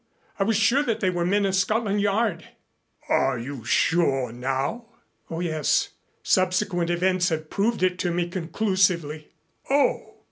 I was sure that they were men of Scotland Yard." "Are you sure now?" "Oh, yes. Subsequent events have proved it to me conclusively." "Oh!